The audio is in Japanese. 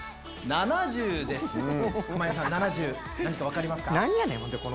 濱家さん「７０」何か分かりますか？